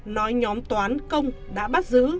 nói nhóm toán công đã bắt giữ